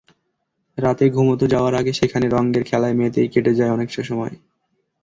রাতে ঘুমাতে যাওয়ার আগে সেখানে রঙের খেলায় মেতেই কেটে যায় অনেকটা সময়।